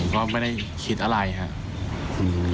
ก็ไม่ได้คิดอะไรครับ